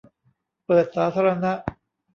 เปิดสาธารณะ